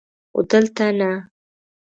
خو دلته نه!